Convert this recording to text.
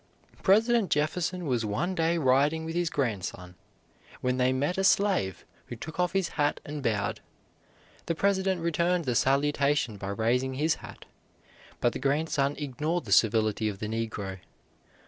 President Jefferson was one day riding with his grandson, when they met a slave, who took off his hat and bowed. The President returned the salutation by raising his hat, but the grandson ignored the civility of the negro.